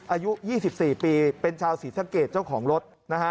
อายุ๒๔ปีเป็นชาวศรีสักเกตเจ้าของรถ